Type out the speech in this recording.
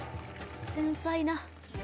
繊細な。